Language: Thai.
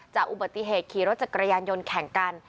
อุบัติเหตุขี่รถจักรยานยนต์แข่งกัน